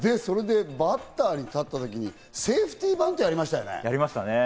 バッターに立ったときに、セーフティーバントやりましたね。